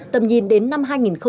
tầm nhìn đến năm hai nghìn ba mươi